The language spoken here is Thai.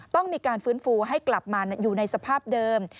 ต้องมีการฟื้นฟูให้กลับมาอยู่ในสภาพเดิม